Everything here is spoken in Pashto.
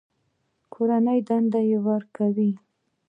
کورنۍ دنده درکوي؟